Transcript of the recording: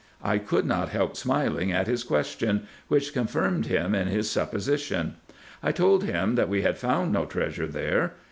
I could not help smiling at his question, which confirmed him in his supposition. I told him that we had found no treasure there.